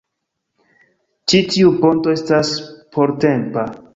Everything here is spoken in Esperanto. Ĉi tiu ponto estas portempa